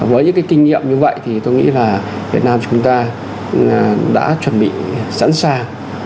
với những cái kinh nghiệm như vậy thì tôi nghĩ là việt nam chúng ta đã chuẩn bị sẵn sàng